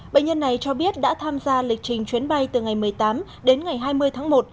bệnh nhân này cho biết đã tham gia lịch trình chuyến bay từ ngày một mươi tám đến ngày hai mươi tháng một